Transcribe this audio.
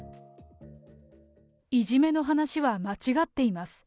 いじめの話は、間違っています。